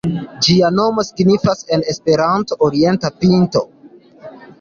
Ĝia nomo signifas en Esperanto Orienta Pinto.